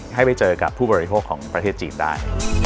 ให้ไปเจอกับผู้บริโภคของประเทศจีนได้